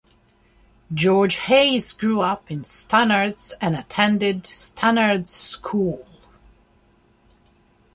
George Hayes grew up in Stannards and attended Stannards School.